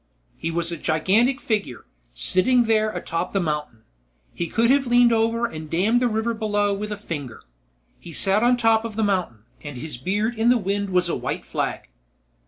_ He was a gigantic figure, sitting there atop the mountain. He could have leaned over and dammed the river below with a finger. He sat on top of the mountain, and his beard in the wind was a white flag.